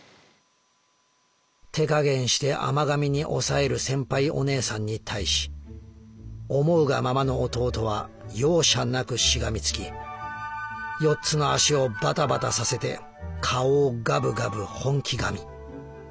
「手加減して甘噛みに抑えるセンパイお姉さんに対し思うがままの弟は容赦なくしがみつき４つの脚をバタバタさせて顔をガブガブ本気噛み。